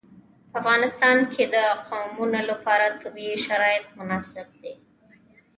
په افغانستان کې د قومونه لپاره طبیعي شرایط مناسب دي.